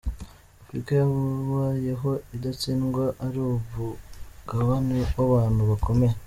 Afurika yabayeho idatsindwa, ari umugabane w’abantu bakomeye.